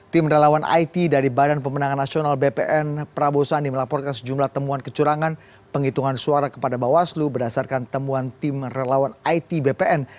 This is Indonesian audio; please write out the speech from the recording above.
tim relawan it dari badan pemenangan nasional bpn prabowo sandi melaporkan sejumlah temuan kecurangan penghitungan suara kepada bawaslu berdasarkan temuan tim relawan it bpn